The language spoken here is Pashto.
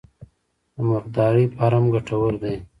د مرغدارۍ فارم ګټور دی؟